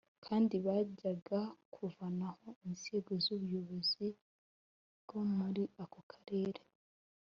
kandi byajyaga kuvanaho inzego z’ubuyobozi bwo muri ako karere